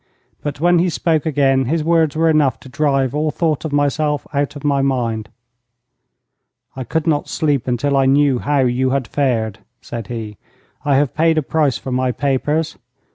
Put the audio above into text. But when he spoke again his words were enough to drive all thought of myself out of my mind. 'I could not sleep until I knew how you had fared,' said he. 'I have paid a price for my papers.